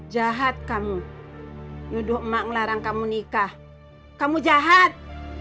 jahat kamu nuduh emak ngelarang kamu nikah kamu jahat